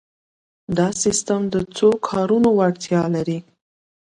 دا سیسټم د څو کارونو وړتیا لري.